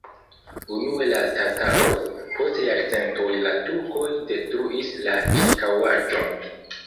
Unue la tataroj, post jarcentoj la turkoj detruis la ĉirkaŭaĵon.